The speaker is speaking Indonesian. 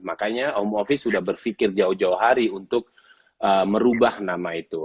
makanya om ovi sudah berpikir jauh jauh hari untuk merubah nama itu